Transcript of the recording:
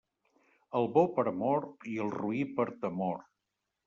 Al bo per amor i al roí per temor.